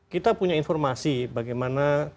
kita punya informasi bagaimana